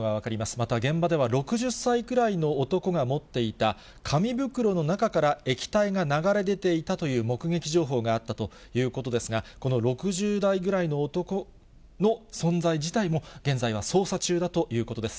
また、現場では６０歳くらいの男が持っていた、紙袋の中から液体が流れ出ていたという目撃情報があったということですが、この６０代ぐらいの男の存在自体も、現在は捜査中だということです。